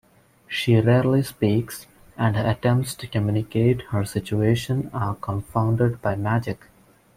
She rarely speaks, and her attempts to communicate her situation are confounded by magic.